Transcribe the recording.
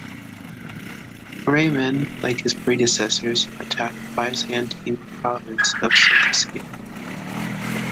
Raymond, like his predecessors, attacked the Byzantine province of Cilicia.